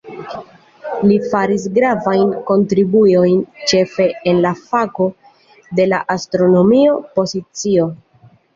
Li faris gravajn kontribuojn ĉefe en la fako de la astronomio de pozicio.